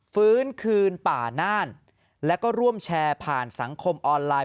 ฟื้นคืนป่าน่านแล้วก็ร่วมแชร์ผ่านสังคมออนไลน์